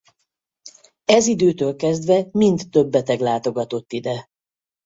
Ez időtől kezdve mind több beteg látogatott ide.